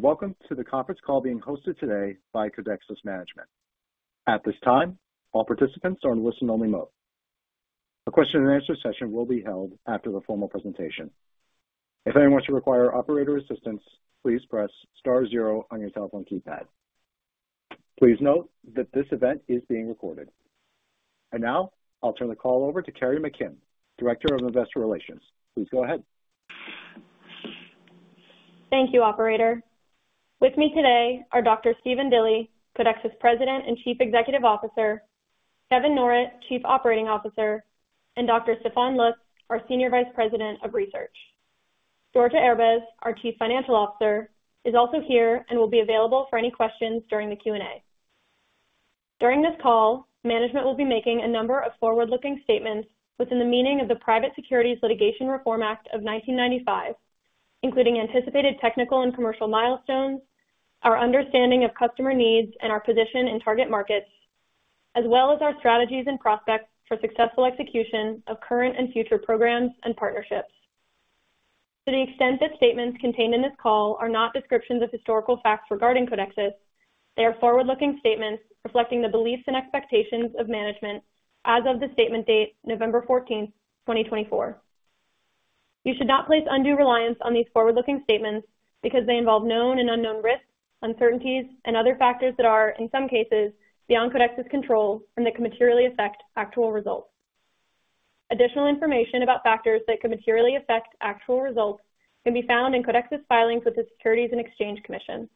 Greetings and welcome to the conference call being hosted today by Codexis Management. At this time, all participants are in listen-only mode. A question-and-answer session will be held after the formal presentation. If anyone wants to require operator assistance, please press star zero on your telephone keypad. Please note that this event is being recorded. And now, I'll turn the call over to Carrie McKim, Director of Investor Relations. Please go ahead. Thank you, Operator. With me today are Dr. Stephen Dilly, Codexis President and Chief Executive Officer, Kevin Norrett, Chief Operating Officer, and Dr. Stefan Lutz, our Senior Vice President of Research. Georgia Erbez, our Chief Financial Officer, is also here and will be available for any questions during the Q&A. During this call, management will be making a number of forward-looking statements within the meaning of the Private Securities Litigation Reform Act of 1995, including anticipated technical and commercial milestones, our understanding of customer needs, and our position in target markets, as well as our strategies and prospects for successful execution of current and future programs and partnerships. To the extent that statements contained in this call are not descriptions of historical facts regarding Codexis, they are forward-looking statements reflecting the beliefs and expectations of management as of the statement date, November 14, 2024. You should not place undue reliance on these forward-looking statements because they involve known and unknown risks, uncertainties, and other factors that are, in some cases, beyond Codexis' control and that can materially affect actual results. Additional information about factors that can materially affect actual results can be found in Codexis' filings with the Securities and Exchange Commission.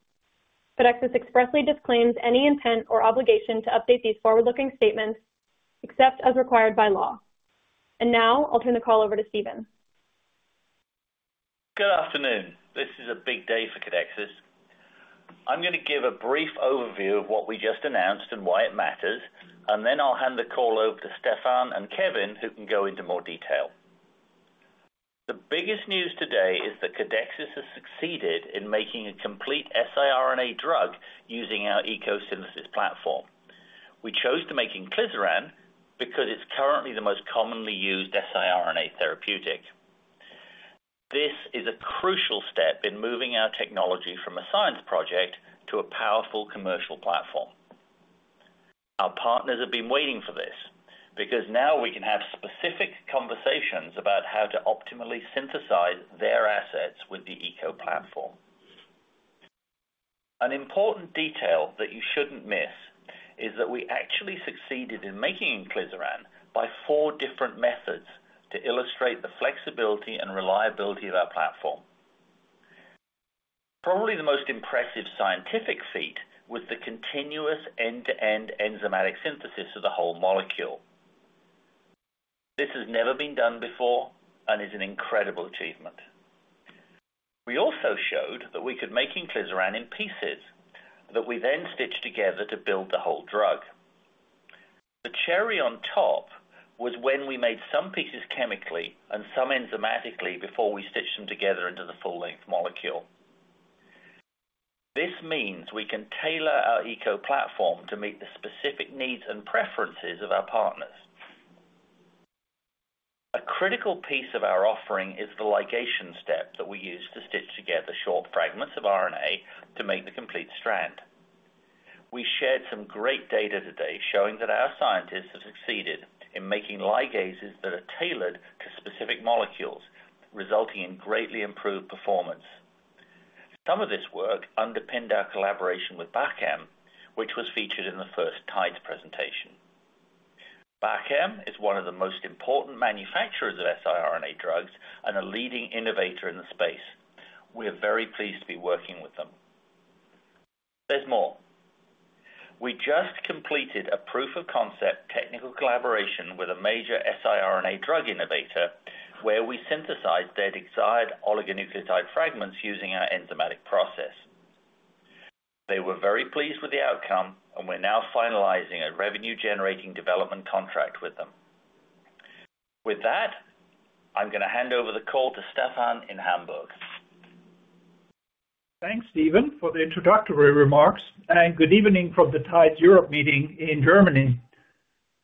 Codexis expressly disclaims any intent or obligation to update these forward-looking statements except as required by law. And now, I'll turn the call over to Stephen. Good afternoon. This is a big day for Codexis. I'm going to give a brief overview of what we just announced and why it matters, and then I'll hand the call over to Stefan and Kevin, who can go into more detail. The biggest news today is that Codexis has succeeded in making a complete siRNA drug using our ecosynthesis platform. We chose to make Inclisiran because it's currently the most commonly used siRNA therapeutic. This is a crucial step in moving our technology from a science project to a powerful commercial platform. Our partners have been waiting for this because now we can have specific conversations about how to optimally synthesize their assets with the eco platform. An important detail that you shouldn't miss is that we actually succeeded in making Inclisiran by four different methods to illustrate the flexibility and reliability of our platform. Probably the most impressive scientific feat was the continuous end-to-end enzymatic synthesis of the whole molecule. This has never been done before and is an incredible achievement. We also showed that we could make Inclisiran in pieces that we then stitched together to build the whole drug. The cherry on top was when we made some pieces chemically and some enzymatically before we stitched them together into the full-length molecule. This means we can tailor our eco platform to meet the specific needs and preferences of our partners. A critical piece of our offering is the ligation step that we use to stitch together short fragments of RNA to make the complete strand. We shared some great data today showing that our scientists have succeeded in making ligases that are tailored to specific molecules, resulting in greatly improved performance. Some of this work underpinned our collaboration with Bachem, which was featured in the first Tides presentation. Bachem is one of the most important manufacturers of siRNA drugs and a leading innovator in the space. We are very pleased to be working with them. There's more. We just completed a proof of concept technical collaboration with a major siRNA drug innovator where we synthesized their desired oligonucleotide fragments using our enzymatic process. They were very pleased with the outcome, and we're now finalizing a revenue-generating development contract with them. With that, I'm going to hand over the call to Stefan in Hamburg. Thanks, Stephen, for the introductory remarks, and good evening from the Tides Europe meeting in Germany.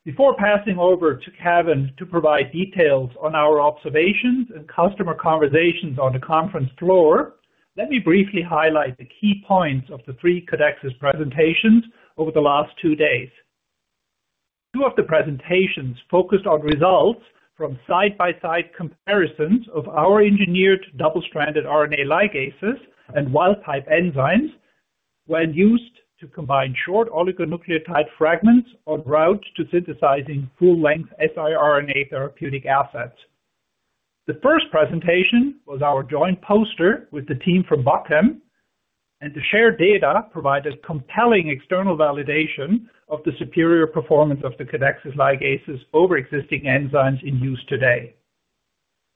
Before passing over to Kevin to provide details on our observations and customer conversations on the conference floor, let me briefly highlight the key points of the three Codexis presentations over the last two days. Two of the presentations focused on results from side-by-side comparisons of our engineered double-stranded RNA ligases and wild-type enzymes when used to combine short oligonucleotide fragments on route to synthesizing full-length siRNA therapeutic assets. The first presentation was our joint poster with the team from Bachem, and the shared data provided compelling external validation of the superior performance of the Codexis ligases over existing enzymes in use today.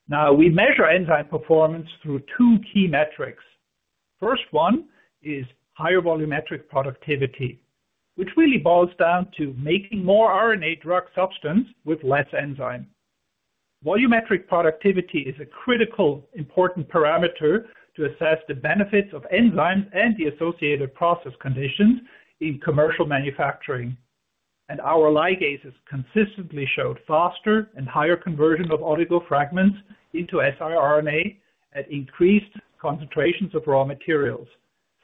Now, we measure enzyme performance through two key metrics. The first one is higher volumetric productivity, which really boils down to making more RNA drug substance with less enzyme. Volumetric productivity is a critical important parameter to assess the benefits of enzymes and the associated process conditions in commercial manufacturing, and our ligases consistently showed faster and higher conversion of oligofragments into siRNA at increased concentrations of raw materials,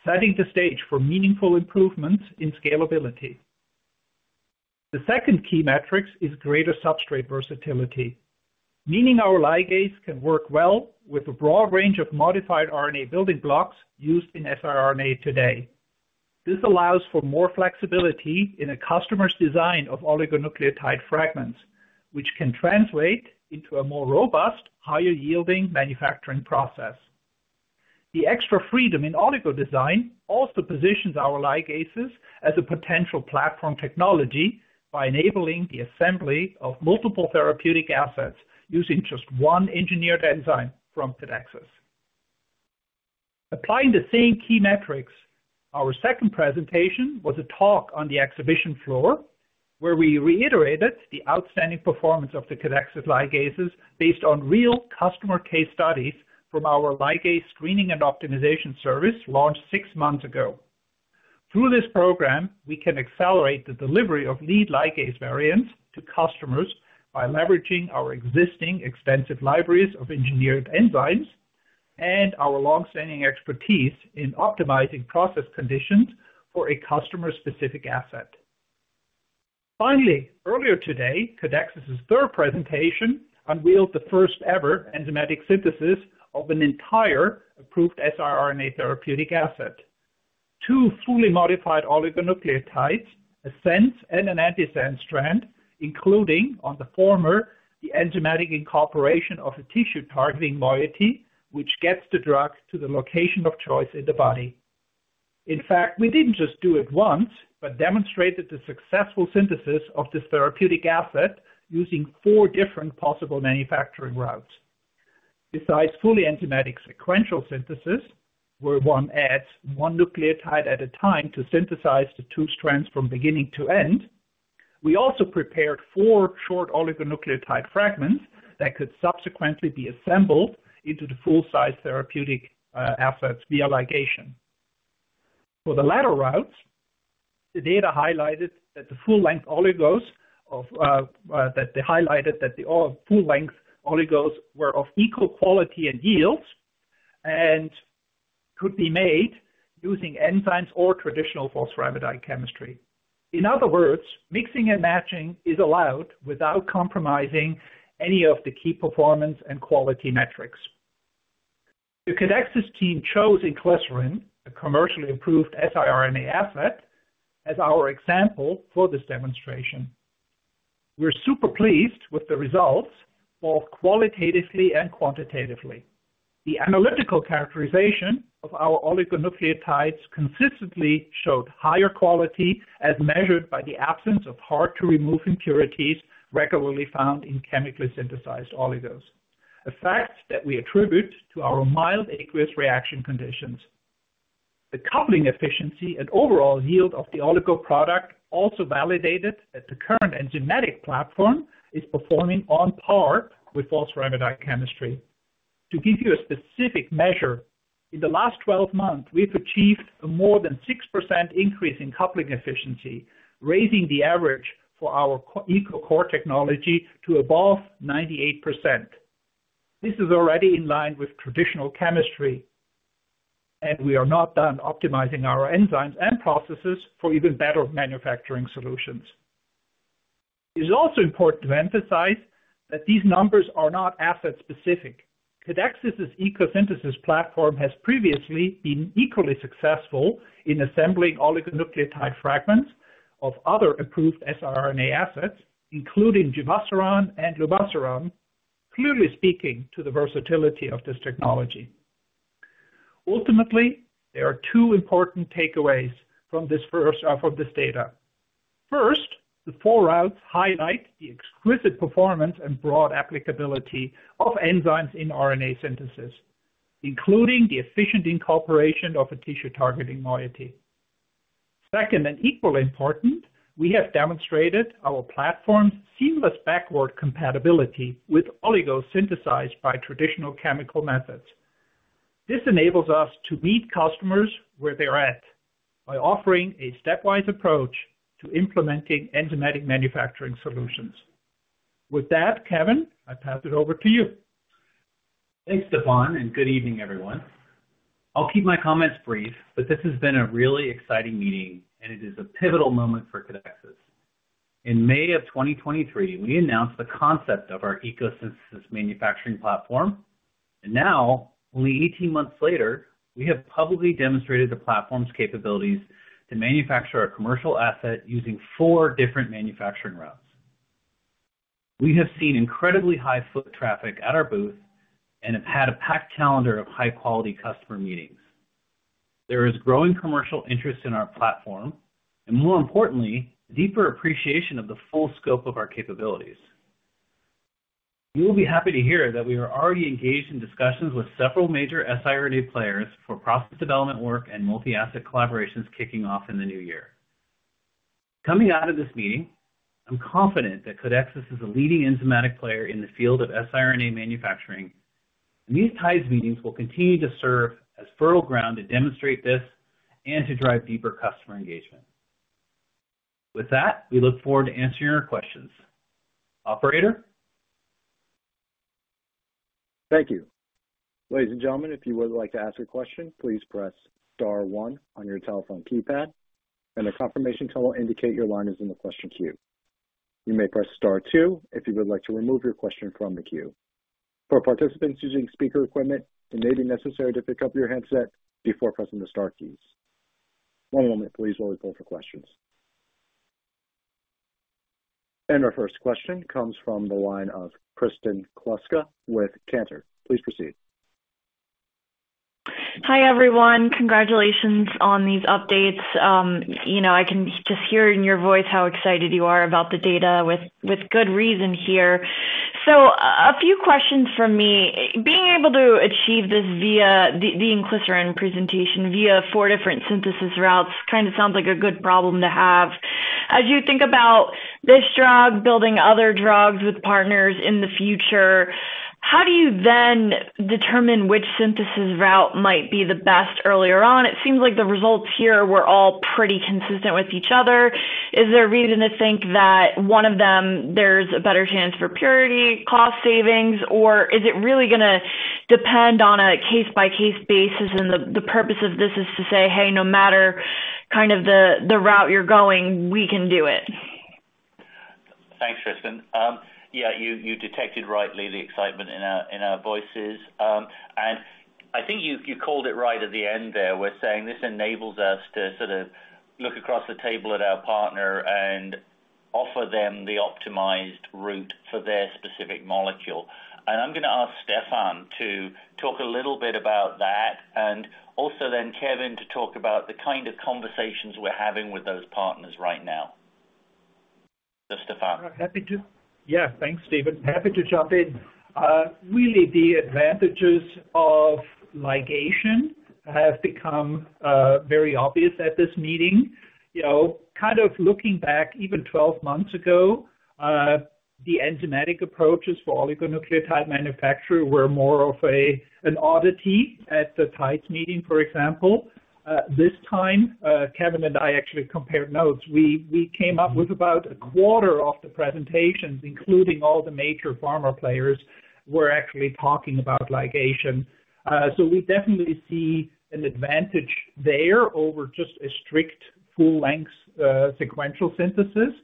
setting the stage for meaningful improvements in scalability. The second key metric is greater substrate versatility, meaning our ligase can work well with a broad range of modified RNA building blocks used in siRNA today. This allows for more flexibility in a customer's design of oligonucleotide fragments, which can translate into a more robust, higher-yielding manufacturing process. The extra freedom in oligodesign also positions our ligases as a potential platform technology by enabling the assembly of multiple therapeutic assets using just one engineered enzyme from Codexis. Applying the same key metrics, our second presentation was a talk on the exhibition floor where we reiterated the outstanding performance of the Codexis ligases based on real customer case studies from our ligase screening and optimization service launched six months ago. Through this program, we can accelerate the delivery of lead ligase variants to customers by leveraging our existing extensive libraries of engineered enzymes and our long-standing expertise in optimizing process conditions for a customer-specific asset. Finally, earlier today, Codexis' third presentation unveiled the first-ever enzymatic synthesis of an entire approved siRNA therapeutic asset. Two fully modified oligonucleotides, a sense and an anti-sense strand, including on the former the enzymatic incorporation of a tissue-targeting moiety, which gets the drug to the location of choice in the body. In fact, we didn't just do it once but demonstrated the successful synthesis of this therapeutic asset using four different possible manufacturing routes. Besides fully enzymatic sequential synthesis, where one adds one nucleotide at a time to synthesize the two strands from beginning to end, we also prepared four short oligonucleotide fragments that could subsequently be assembled into the full-size therapeutic assets via ligation. For the latter routes, the data highlighted that the full-length oligos were of equal quality and yields and could be made using enzymes or traditional phosphoramidite chemistry. In other words, mixing and matching is allowed without compromising any of the key performance and quality metrics. The Codexis team chose Inclisiran, a commercially approved siRNA asset, as our example for this demonstration. We're super pleased with the results both qualitatively and quantitatively. The analytical characterization of our oligonucleotides consistently showed higher quality as measured by the absence of hard-to-remove impurities regularly found in chemically synthesized oligos, a fact that we attribute to our mild aqueous reaction conditions. The coupling efficiency and overall yield of the oligo product also validated that the current enzymatic platform is performing on par with phosphoramidite chemistry. To give you a specific measure, in the last 12 months, we've achieved a more than 6% increase in coupling efficiency, raising the average for our eco core technology to above 98%. This is already in line with traditional chemistry, and we are not done optimizing our enzymes and processes for even better manufacturing solutions. It is also important to emphasize that these numbers are not asset-specific. Codexis' ECO Synthesis platform has previously been equally successful in assembling oligonucleotide fragments of other approved siRNA assets, including Givosiran and Lumasiran, clearly speaking to the versatility of this technology. Ultimately, there are two important takeaways from this data. First, the four routes highlight the exquisite performance and broad applicability of enzymes in RNA synthesis, including the efficient incorporation of a tissue-targeting moiety. Second, and equally important, we have demonstrated our platform's seamless backward compatibility with oligos synthesized by traditional chemical methods. This enables us to meet customers where they're at by offering a stepwise approach to implementing enzymatic manufacturing solutions. With that, Kevin, I pass it over to you. Thanks, Stefan, and good evening, everyone. I'll keep my comments brief, but this has been a really exciting meeting, and it is a pivotal moment for Codexis. In May of 2023, we announced the concept of our ECO Synthesis manufacturing platform, and now, only 18 months later, we have publicly demonstrated the platform's capabilities to manufacture a commercial asset using four different manufacturing routes. We have seen incredibly high foot traffic at our booth and have had a packed calendar of high-quality customer meetings. There is growing commercial interest in our platform and, more importantly, deeper appreciation of the full scope of our capabilities. You will be happy to hear that we are already engaged in discussions with several major siRNA players for process development work and multi-asset collaborations kicking off in the new year. Coming out of this meeting, I'm confident that Codexis is a leading enzymatic player in the field of siRNA manufacturing, and these Tides meetings will continue to serve as fertile ground to demonstrate this and to drive deeper customer engagement. With that, we look forward to answering your questions. Operator? Thank you. Ladies and gentlemen, if you would like to ask a question, please press star one on your telephone keypad, and a confirmation tone will indicate your line is in the question queue. You may press star two if you would like to remove your question from the queue. For participants using speaker equipment, it may be necessary to pick up your headset before pressing the star keys. One moment, please, while we pull for questions. And our first question comes from the line of Kristen Kluska with Cantor. Please proceed. Hi, everyone. Congratulations on these updates. You know, I can just hear in your voice how excited you are about the data with good reason here. So a few questions for me. Being able to achieve this via the Inclisiran presentation via four different synthesis routes kind of sounds like a good problem to have. As you think about this drug, building other drugs with partners in the future, how do you then determine which synthesis route might be the best earlier on? It seems like the results here were all pretty consistent with each other. Is there a reason to think that one of them, there's a better chance for purity, cost savings, or is it really going to depend on a case-by-case basis? And the purpose of this is to say, "Hey, no matter kind of the route you're going, we can do it. Thanks, Kristen. Yeah, you detected rightly the excitement in our voices. And I think you called it right at the end there with saying this enables us to sort of look across the table at our partner and offer them the optimized route for their specific molecule. And I'm going to ask Stefan to talk a little bit about that and also then Kevin to talk about the kind of conversations we're having with those partners right now. So, Stefan. Happy to. Yeah, thanks, Stephen. Happy to jump in. Really, the advantages of ligation have become very obvious at this meeting. Kind of looking back, even 12 months ago, the enzymatic approaches for oligonucleotide manufacturers were more of an oddity at the Tides meeting, for example. This time, Kevin and I actually compared notes. We came up with about a quarter of the presentations, including all the major pharma players, were actually talking about ligation. So we definitely see an advantage there over just a strict full-length sequential synthesis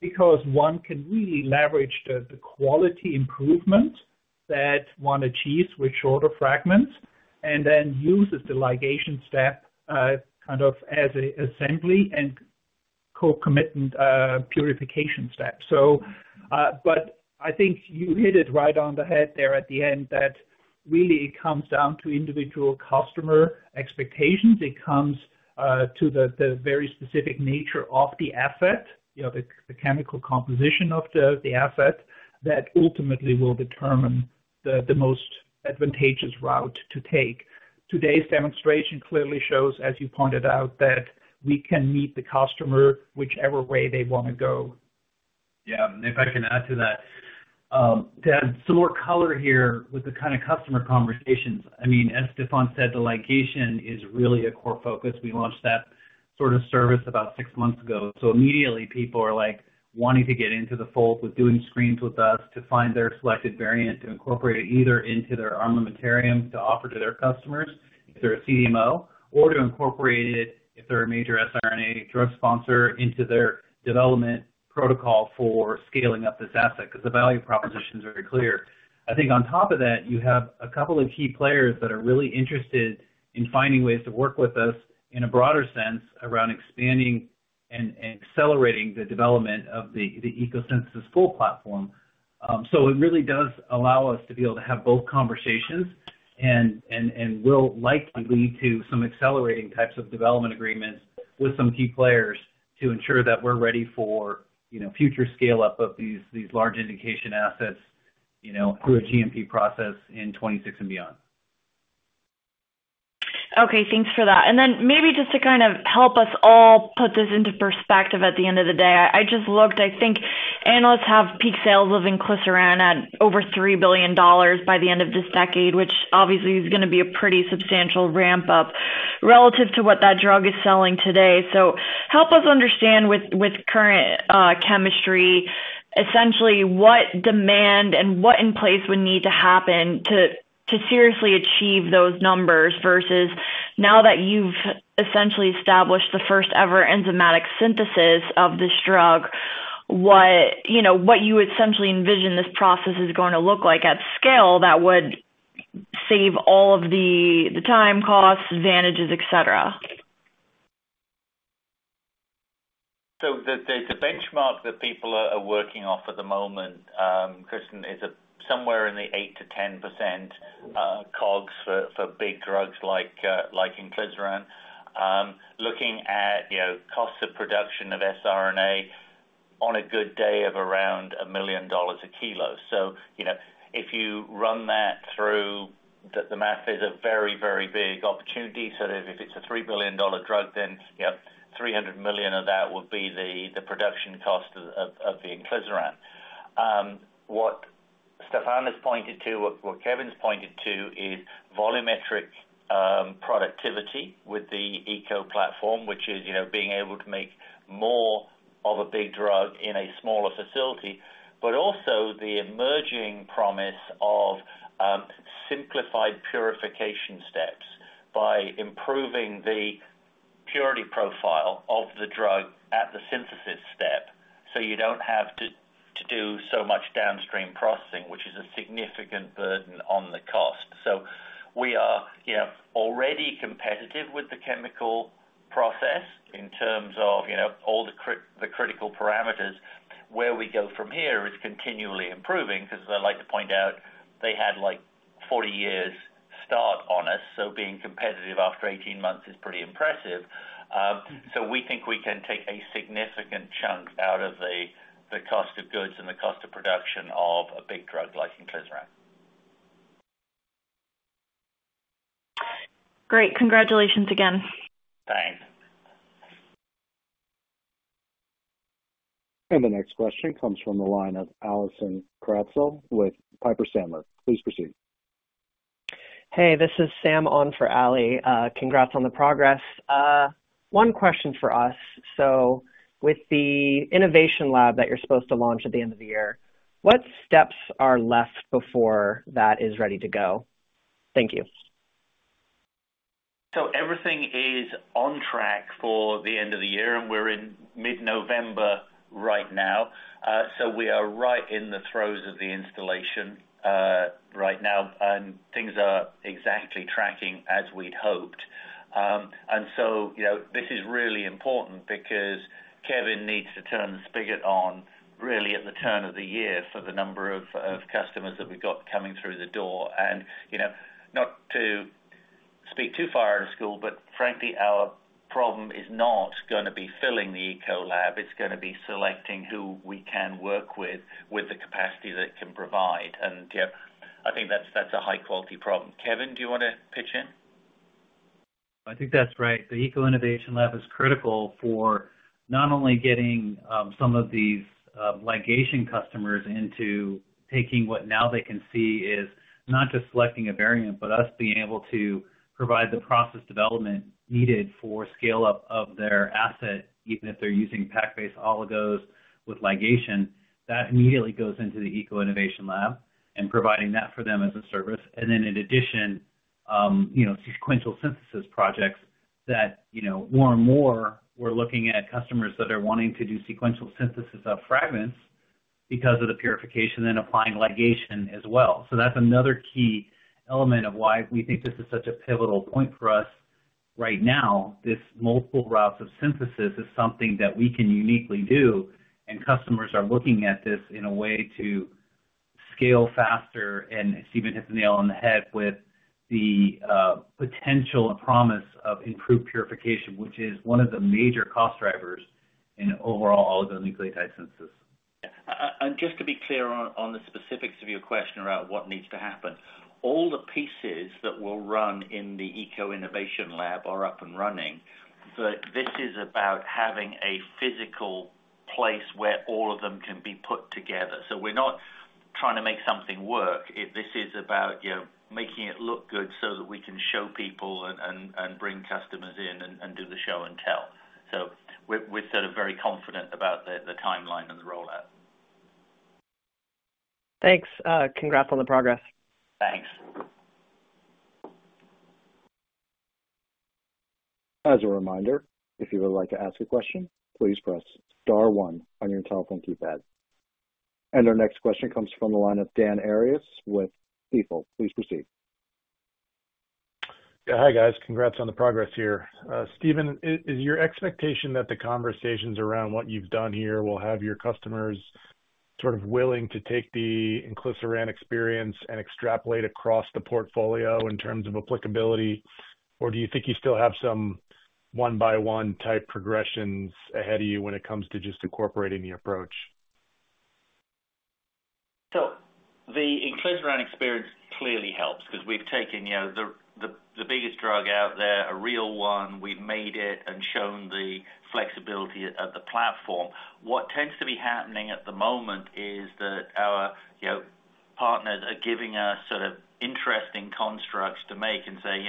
because one can really leverage the quality improvement that one achieves with shorter fragments and then uses the ligation step kind of as an assembly and concomitant purification step. But I think you hit it right on the head there at the end that really it comes down to individual customer expectations. It comes to the very specific nature of the asset, the chemical composition of the asset that ultimately will determine the most advantageous route to take. Today's demonstration clearly shows, as you pointed out, that we can meet the customer whichever way they want to go. Yeah, if I can add to that, to add some more color here with the kind of customer conversations. I mean, as Stefan said, the ligation is really a core focus. We launched that sort of service about six months ago. So immediately, people are like wanting to get into the fold with doing screens with us to find their selected variant to incorporate it either into their armamentarium to offer to their customers if they're a CDMO or to incorporate it if they're a major siRNA drug sponsor into their development protocol for scaling up this asset because the value proposition is very clear. I think on top of that, you have a couple of key players that are really interested in finding ways to work with us in a broader sense around expanding and accelerating the development of the ECO Synthesis full platform. So it really does allow us to be able to have both conversations and will likely lead to some accelerating types of development agreements with some key players to ensure that we're ready for future scale-up of these large indication assets through a GMP process in 2026 and beyond. Okay, thanks for that. And then maybe just to kind of help us all put this into perspective at the end of the day, I just looked. I think analysts have peak sales of Inclisiran at over $3 billion by the end of this decade, which obviously is going to be a pretty substantial ramp-up relative to what that drug is selling today. So help us understand with current chemistry, essentially what demand and what in place would need to happen to seriously achieve those numbers versus now that you've essentially established the first-ever enzymatic synthesis of this drug, what you essentially envision this process is going to look like at scale that would save all of the time, costs, advantages, etc. The benchmark that people are working off at the moment, Kristen, is somewhere in the 8%-10% COGS for big drugs like Inclisiran, looking at costs of production of siRNA on a good day of around $1 million a kilo. If you run that through, the math is a very, very big opportunity. If it's a $3 billion drug, then $300 million of that would be the production cost of the Inclisiran. What Stefan has pointed to, what Kevin's pointed to, is volumetric productivity with the eco platform, which is being able to make more of a big drug in a smaller facility, but also the emerging promise of simplified purification steps by improving the purity profile of the drug at the synthesis step so you don't have to do so much downstream processing, which is a significant burden on the cost. So we are already competitive with the chemical process in terms of all the critical parameters. Where we go from here is continually improving because I'd like to point out they had like 40 years start on us. So being competitive after 18 months is pretty impressive. So we think we can take a significant chunk out of the cost of goods and the cost of production of a big drug like Inclisiran. Great. Congratulations again. Thanks. The next question comes from the line of Allison Bratzel with Piper Sandler. Please proceed. Hey, this is Sam Lahl for Allison. Congrats on the progress. One question for us. So with the innovation lab that you're supposed to launch at the end of the year, what steps are left before that is ready to go? Thank you. Everything is on track for the end of the year, and we're in mid-November right now. We are right in the throes of the installation right now, and things are exactly tracking as we'd hoped. This is really important because Kevin needs to turn the spigot on really at the turn of the year for the number of customers that we've got coming through the door. Not to speak too far out of school, but frankly, our problem is not going to be filling the ECO lab. It's going to be selecting who we can work with, with the capacity that it can provide. I think that's a high-quality problem. Kevin, do you want to pitch in? I think that's right. The ECO Innovation Lab is critical for not only getting some of these ligation customers into taking what now they can see is not just selecting a variant, but us being able to provide the process development needed for scale-up of their asset, even if they're using pack-based oligos with ligation. That immediately goes into the ECO Innovation Lab and providing that for them as a service. And then in addition, sequential synthesis projects that more and more we're looking at customers that are wanting to do sequential synthesis of fragments because of the purification and applying ligation as well. So that's another key element of why we think this is such a pivotal point for us right now. This multiple routes of synthesis is something that we can uniquely do, and customers are looking at this in a way to scale faster, and Stephen hit the nail on the head with the potential and promise of improved purification, which is one of the major cost drivers in overall oligonucleotide synthesis. And just to be clear on the specifics of your question around what needs to happen, all the pieces that will run in the ECO Innovation Lab are up and running. But this is about having a physical place where all of them can be put together. So we're not trying to make something work. This is about making it look good so that we can show people and bring customers in and do the show and tell. So we're sort of very confident about the timeline and the rollout. Thanks. Congrats on the progress. Thanks. As a reminder, if you would like to ask a question, please press star one on your telephone keypad. And our next question comes from the line of Dan Arias with Stifel. Please proceed. Yeah, hi guys. Congrats on the progress here. Stephen, is your expectation that the conversations around what you've done here will have your customers sort of willing to take the Inclisiran experience and extrapolate across the portfolio in terms of applicability, or do you think you still have some one-by-one type progressions ahead of you when it comes to just incorporating the approach? So the Inclisiran experience clearly helps because we've taken the biggest drug out there, a real one. We've made it and shown the flexibility of the platform. What tends to be happening at the moment is that our partners are giving us sort of interesting constructs to make and say,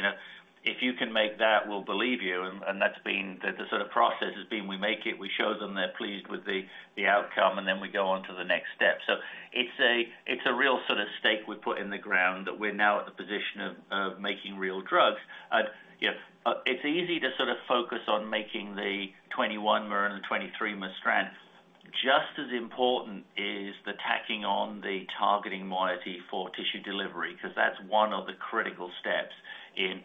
"If you can make that, we'll believe you." And that's been the sort of process we make it, we show them they're pleased with the outcome, and then we go on to the next step. So it's a real sort of stake we put in the ground that we're now at the position of making real drugs. It's easy to sort of focus on making the 21-mers and the 23-mers strand. Just as important is the tacking on the targeting moiety for tissue delivery because that's one of the critical steps in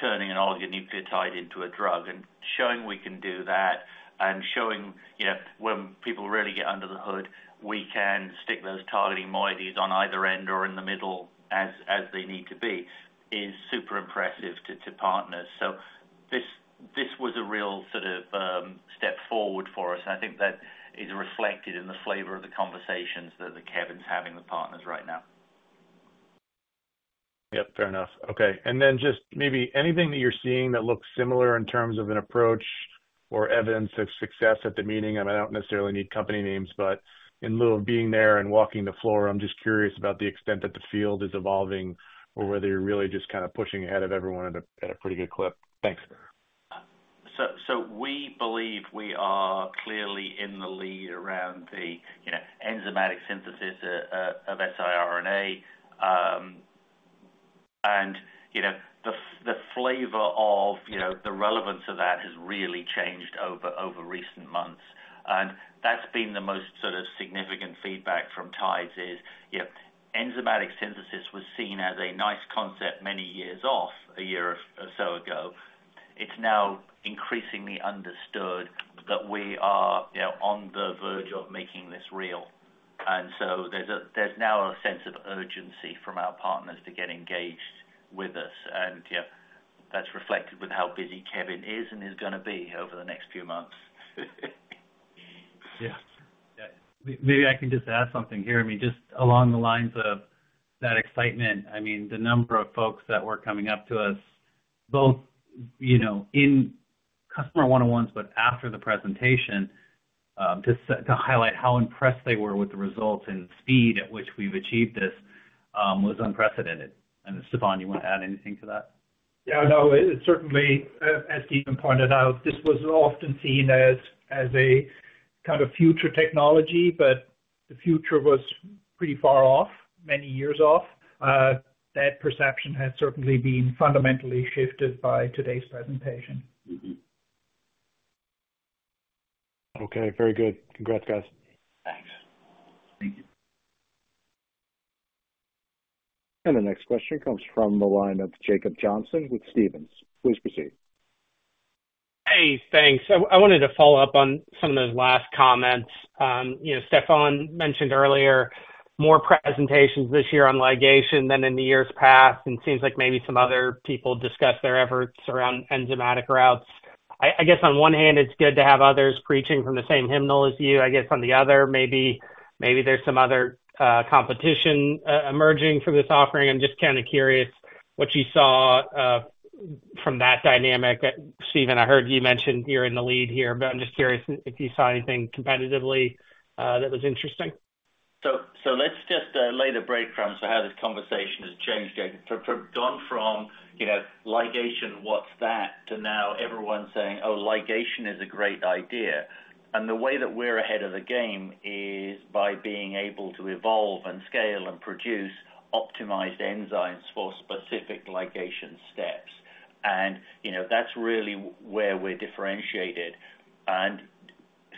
turning an oligonucleotide into a drug and showing we can do that and showing when people really get under the hood, we can stick those targeting moieties on either end or in the middle as they need to be is super impressive to partners. So this was a real sort of step forward for us. And I think that is reflected in the flavor of the conversations that Kevin's having with partners right now. Yep, fair enough. Okay. And then just maybe anything that you're seeing that looks similar in terms of an approach or evidence of success at the meeting? I mean, I don't necessarily need company names, but in lieu of being there and walking the floor, I'm just curious about the extent that the field is evolving or whether you're really just kind of pushing ahead of everyone at a pretty good clip. Thanks. So we believe we are clearly in the lead around the enzymatic synthesis of siRNA. And the flavor of the relevance of that has really changed over recent months. And that's been the most sort of significant feedback from Tides is enzymatic synthesis was seen as a nice concept many years off a year or so ago. It's now increasingly understood that we are on the verge of making this real. And so there's now a sense of urgency from our partners to get engaged with us. And that's reflected with how busy Kevin is and is going to be over the next few months. Yeah. Maybe I can just add something here. I mean, just along the lines of that excitement, I mean, the number of folks that were coming up to us both in customer one-on-ones, but after the presentation to highlight how impressed they were with the results and speed at which we've achieved this was unprecedented. And Stefan, you want to add anything to that? Yeah, no, certainly, as Stephen pointed out, this was often seen as a kind of future technology, but the future was pretty far off, many years off. That perception has certainly been fundamentally shifted by today's presentation. Okay, very good. Congrats, guys. Thanks. Thank you. And the next question comes from the line of Jacob Johnson with Stephens. Please proceed. Hey, thanks. I wanted to follow up on some of those last comments. Stefan mentioned earlier more presentations this year on ligation than in the years past, and it seems like maybe some other people discussed their efforts around enzymatic routes. I guess on one hand, it's good to have others preaching from the same hymnals as you. I guess on the other, maybe there's some other competition emerging for this offering. I'm just kind of curious what you saw from that dynamic. Stephen, I heard you mentioned you're in the lead here, but I'm just curious if you saw anything competitively that was interesting. So let's just lay the breadcrumbs for how this conversation has changed, Jacob. From ligation, what's that, to now everyone saying, "Oh, ligation is a great idea." And the way that we're ahead of the game is by being able to evolve and scale and produce optimized enzymes for specific ligation steps. And that's really where we're differentiated. And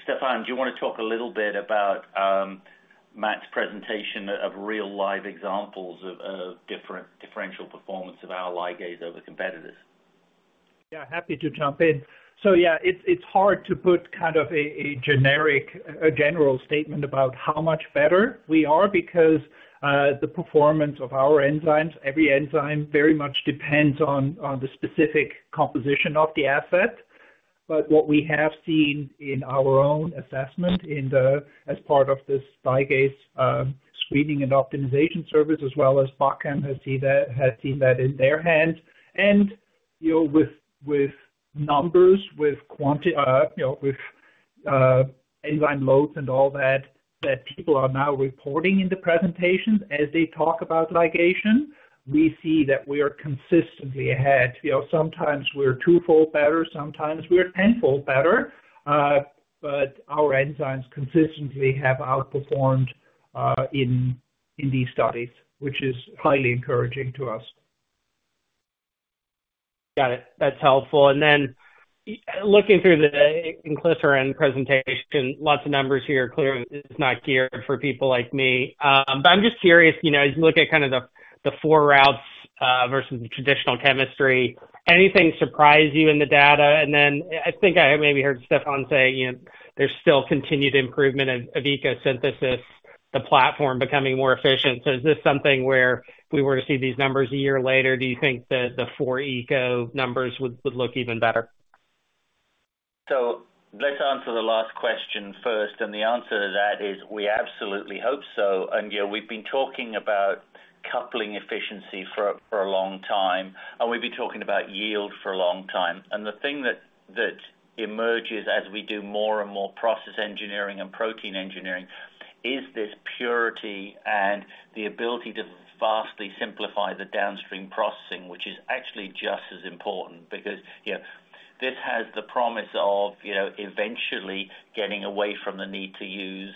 Stefan, do you want to talk a little bit about Matt's presentation of real live examples of differential performance of our ligase over competitors? Yeah, happy to jump in. So yeah, it's hard to put kind of a generic general statement about how much better we are because the performance of our enzymes, every enzyme very much depends on the specific composition of the asset. But what we have seen in our own assessment as part of this Ligase Screening and Optimization Service, as well as Bachem has seen that in their hands. And with numbers, with enzyme loads and all that that people are now reporting in the presentations as they talk about ligation, we see that we are consistently ahead. Sometimes we're twofold better. Sometimes we're tenfold better. But our enzymes consistently have outperformed in these studies, which is highly encouraging to us. Got it. That's helpful. And then looking through the Inclisiran presentation, lots of numbers here. Clearly, it's not geared for people like me. But I'm just curious, as you look at kind of the four routes versus the traditional chemistry, anything surprise you in the data? And then I think I maybe heard Stefan say there's still continued improvement of ECO Synthesis, the platform becoming more efficient. So is this something where if we were to see these numbers a year later, do you think the four ECO numbers would look even better? So let's answer the last question first. And the answer to that is we absolutely hope so. And we've been talking about coupling efficiency for a long time. And we've been talking about yield for a long time. And the thing that emerges as we do more and more process engineering and protein engineering is this purity and the ability to vastly simplify the downstream processing, which is actually just as important because this has the promise of eventually getting away from the need to use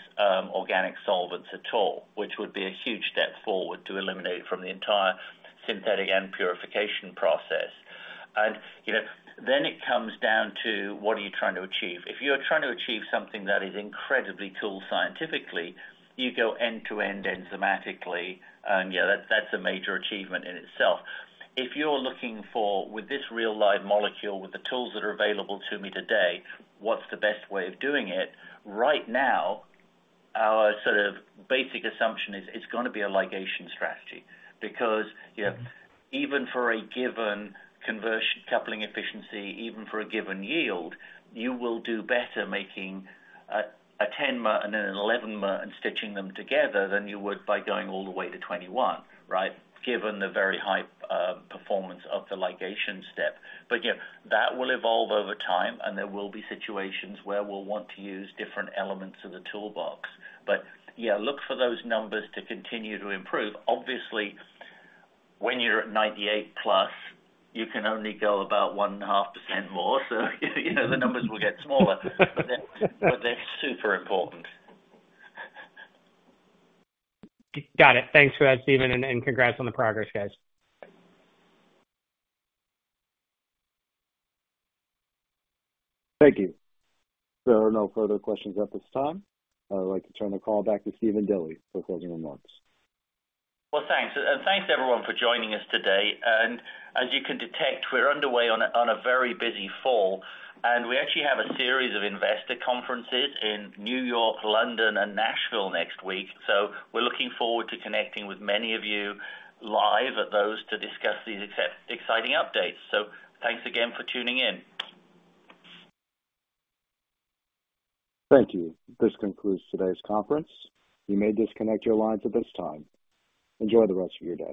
organic solvents at all, which would be a huge step forward to eliminate from the entire synthetic and purification process. And then it comes down to what are you trying to achieve? If you're trying to achieve something that is incredibly cool scientifically, you go end-to-end enzymatically. And yeah, that's a major achievement in itself. If you're looking for, with this real live molecule, with the tools that are available to me today, what's the best way of doing it? Right now, our sort of basic assumption is it's going to be a ligation strategy because even for a given conversion coupling efficiency, even for a given yield, you will do better making 10-mers and 11-mers and stitching them together than you would by going all the way to 21, right, given the very high performance of the ligation step. But that will evolve over time, and there will be situations where we'll want to use different elements of the toolbox. But yeah, look for those numbers to continue to improve. Obviously, when you're at 98-plus, you can only go about 1.5% more. So the numbers will get smaller, but they're super important. Got it. Thanks for that, Stephen, and congrats on the progress, guys. Thank you. There are no further questions at this time. I'd like to turn the call back to Stephen Dilly for further remarks. Well, thanks. And thanks everyone for joining us today. And as you can detect, we're underway on a very busy fall. And we actually have a series of investor conferences in New York, London, and Nashville next week. So we're looking forward to connecting with many of you live at those to discuss these exciting updates. So thanks again for tuning in. Thank you. This concludes today's conference. You may disconnect your lines at this time. Enjoy the rest of your day.